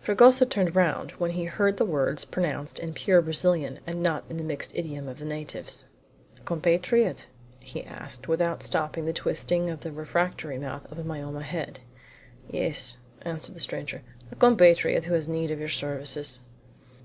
Fragoso turned round when he heard the words pronounced in pure Brazilian, and not in the mixed idiom of the natives. "A compatriot?" he asked, without stopping the twisting of the refractory mouth of a Mayouma head. "Yes," answered the stranger. "A compatriot who has need of your services."